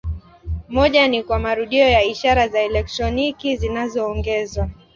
Moja ni kwa marudio ya ishara za elektroniki zinazoongezwa.